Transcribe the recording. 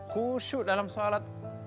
khusu dalam shalat